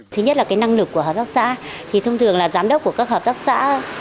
thứ nhất là cái năng lực của hợp tác xã thì thông thường là giám đốc của các hợp tác xã